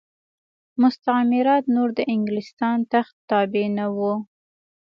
مستعمرات نور د انګلستان تخت تابع نه وو.